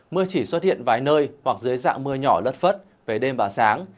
mưa chỉ xuất hiện vài nơi hoặc dưới dạng mưa nhỏ lất phất về đêm và sáng